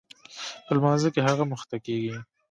په لمانځه کښې هغه مخته کېږي.